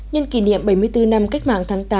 nhân kỷ niệm bảy mươi bốn năm cách mạng tháng tám